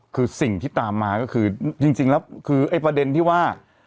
คือสิ่งที่ตามมาก็คือจริงแล้วคือไอ้ประเด็นที่ว่า